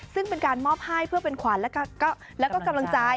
ซึ่งเป็นการมอบให้เพื่อเป็นขวัญแล้วก็กำลังใจ